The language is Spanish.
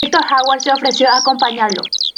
Víctor Hayward se ofreció a acompañarlo.